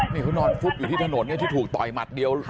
นี่เขานอนฟุบอยู่ที่ถนนเนี่ยที่ถูกต่อยหมัดเดียว